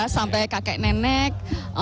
sampai kakek nenek